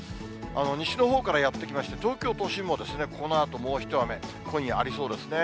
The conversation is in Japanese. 西のほうからやって来まして、東京都心もこのあともう一雨、今夜、ありそうですね。